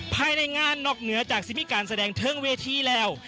ภายในงานนอกเหนือจากซิมีการแสดงเทิงเวทีแล้ว